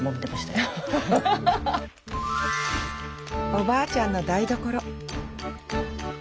おばあちゃんの台所